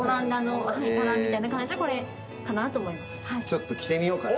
ちょっと着てみようかな。